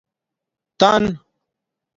تن